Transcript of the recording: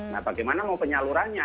nah bagaimana mau penyalurannya